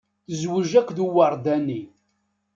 Tezwej akked uwerdani.